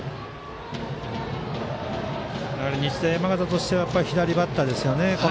やはり日大山形としては左バッターですよね。